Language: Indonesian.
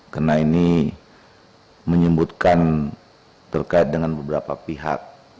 karena ini menyebutkan terkait dengan beberapa pihak